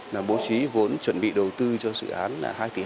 năm hai nghìn một mươi chín bố trí vốn chuẩn bị đầu tư cho dự án là hai tỷ hai